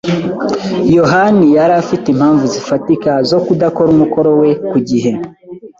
yohani yari afite impamvu zifatika zo kudakora umukoro we ku gihe.